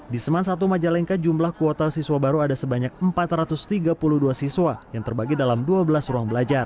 di seman satu majalengka jumlah kuota siswa baru ada sebanyak empat ratus tiga puluh dua siswa yang terbagi dalam dua belas ruang belajar